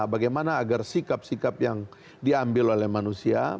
bagaimana agar sikap sikap yang diambil oleh manusia